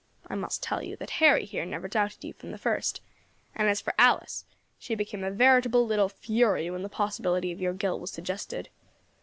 I must tell you that Harry here never doubted you from the first; and as for Alice, she became a veritable little fury when the possibility of your guilt was suggested.